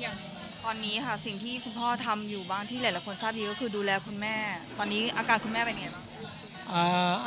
อย่างตอนนี้ค่ะสิ่งที่คุณพ่อทำอยู่บ้างที่หลายคนทราบดีก็คือดูแลคุณแม่ตอนนี้อาการคุณแม่เป็นไงบ้าง